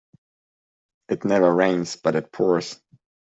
It never rains but it pours.